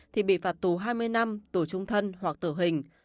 thì bị phạt tù hai mươi năm tù trung thân hoặc tử hình